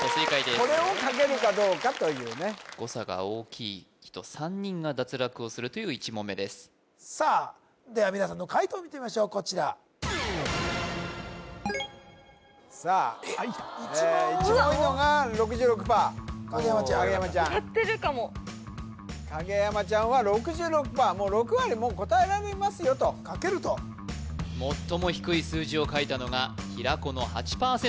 これを書けるかどうかというねをするという１問目ですさあでは皆さんの解答見てみましょうこちらさあ一番多いの一番多いのが６６％影山ちゃんやってるかも影山ちゃんは６６％もう６割答えられますよと書けると最も低い数字を書いたのが平子の８％